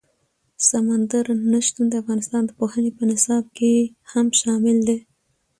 سمندر نه شتون د افغانستان د پوهنې په نصاب کې هم شامل دي.